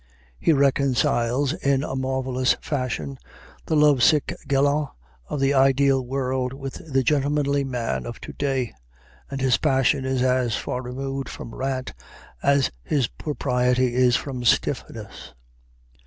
He reconciles in a marvelous fashion the love sick gallant of the ideal world with the "gentlemanly man" of to day; and his passion is as far removed from rant as his propriety is from stiffness.